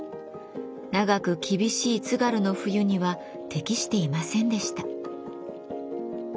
長く厳しい津軽の冬には適していませんでした。